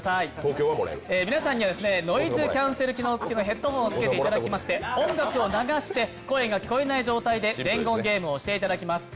皆さんにはノイズキャンセル機能付きのヘッドホンを着けていただきまして、音楽を流して声が聞こえない状態で伝言ゲームをしていただきます。